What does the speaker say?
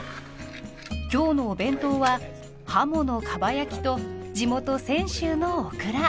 今日のお弁当はハモのかば焼きと地元泉州のオクラ。